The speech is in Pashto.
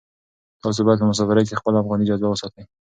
تاسو باید په مسافرۍ کې خپله افغاني جذبه وساتئ.